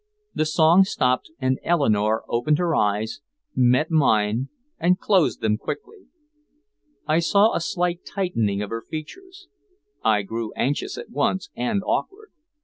The song stopped and Eleanore opened her eyes, met mine, and closed them quickly. I saw a slight tightening of her features. I grew anxious at once and awkward.